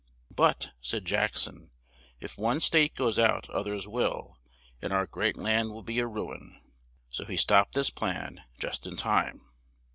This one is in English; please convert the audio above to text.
"But," said Jack son, "if one state goes out oth ers will; and our great land will be a ru in." So he stopped this plan, just in time.